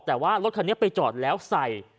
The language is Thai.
แต่ว่ารถคันนี้ไปจอดแล้วใส่